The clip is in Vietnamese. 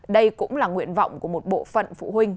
đây cũng là nguyện vọng của một bộ phận phụ huynh